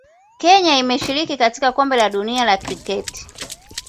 Kenya imeshiriki katika Kombe la Dunia la Kriketi